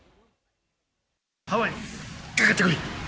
ハワイ、かかってこい。